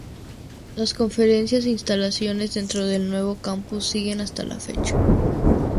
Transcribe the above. Las conferencias e instalaciones dentro del nuevo campus siguen hasta la fecha.